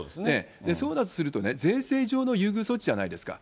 そうだとするとね、税制上の優遇措置じゃないですか。